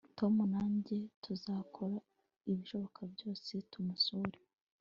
tom nanjye tuzakora ibishoboka byose tumusure